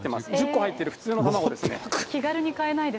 １０個入ってる普通の卵ですね。